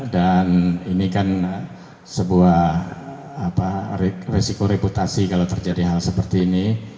dan ini kan sebuah apa resiko reputasi kalau terjadi hal seperti ini